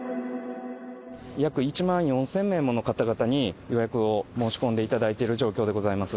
約１万４０００名もの方々に、予約を申し込んでいただいてる状況でございます。